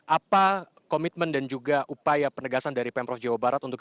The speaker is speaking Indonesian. apa komitmen dan juga upaya penegasan dari pemprov jawa barat